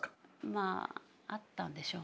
まああったんでしょうね。